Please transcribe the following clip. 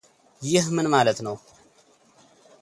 ይህ ምን ማለት ነው::